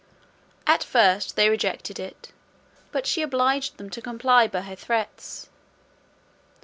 At first they rejected it, but she obliged them to comply by her threats.